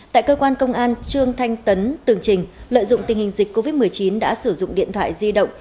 tại cơ quan công an trương thanh tấn tường trình lợi dụng tình hình dịch covid một mươi chín đã sử dụng điện thoại di động